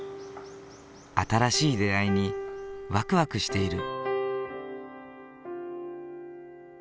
新しい出会いにワクワクしている。